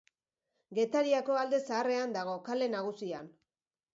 Getariako Alde Zaharrean dago, Kale Nagusian.